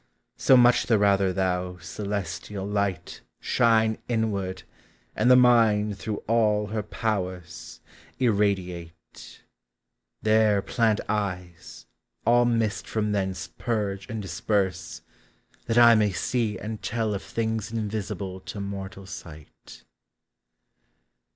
So much the rather thou, celestial Light. Shine inward, and the mind through all her powers 32 POEMS OF MATURE. Irradiate; there plant eyes, all mist from thence Purge and disperse, that I may see and tell Of things invisible to mortal sight.